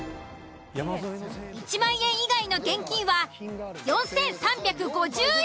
１万円以外の現金は４，３５０円。